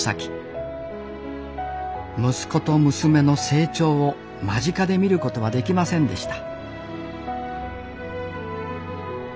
息子と娘の成長を間近で見ることはできませんでした。